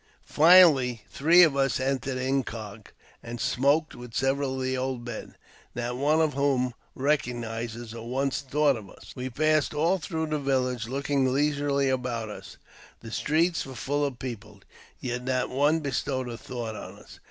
Finally, three of us entered incog., and smoked with several of the old men, not one of whom recognized us or once thought of us. We passed all through the village, looking leisurely about as ; the streets were full of people, yet not one bestowed a thought on us.